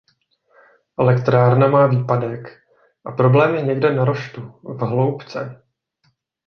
Elektrárna má výpadek a problém je někde na roštu v hloubce.